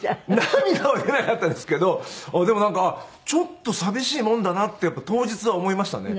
涙は出なかったですけどでもなんかちょっと寂しいもんだなって当日は思いましたね。